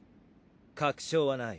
確証はない。